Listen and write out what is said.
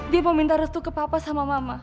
dia mau minta restu ke papa sama mama